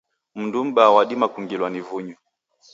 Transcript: Mndu m'baa wadima kungilwa ni vunyu.